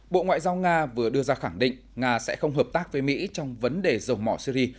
bộ ngoại giao nga vừa đưa ra khẳng định nga sẽ không hợp tác với mỹ trong vấn đề dầu mỏ syri